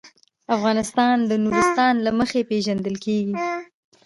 افغانستان د نورستان له مخې پېژندل کېږي.